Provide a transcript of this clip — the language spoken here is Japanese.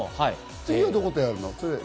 次はどことやるの？